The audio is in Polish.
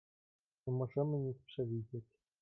"Nie możemy nic przewidzieć."